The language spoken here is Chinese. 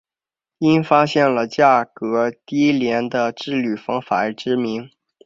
因发现了价格低廉的制铝方法而知名。